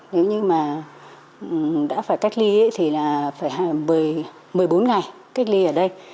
nếu như mà đã phải cách ly thì là phải một mươi bốn ngày cách ly ở đây